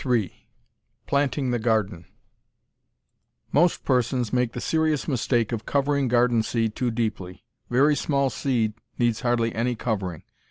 III PLANTING THE GARDEN Most persons make the serious mistake of covering garden seed too deeply. Very small seed needs hardly any covering.